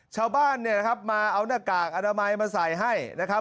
ชาวบ้านเนี่ยนะครับมาเอาหน้ากากอนามัยมาใส่ให้นะครับ